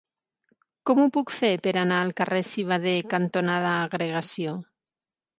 Com ho puc fer per anar al carrer Civader cantonada Agregació?